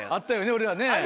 俺らね。